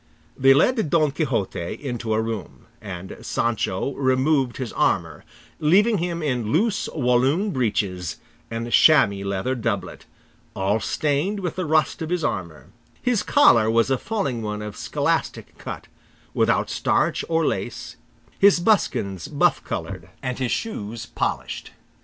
They led Don Quixote into a room, and Sancho removed his armour, leaving him in loose Walloon breeches and chamois leather doublet, all stained with the rust of his armour; his collar was a falling one of scholastic cut, without starch or lace, his buskins buff coloured, and his shoes polished.